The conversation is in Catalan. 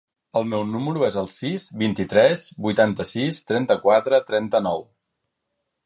El meu número es el sis, vint-i-tres, vuitanta-sis, trenta-quatre, trenta-nou.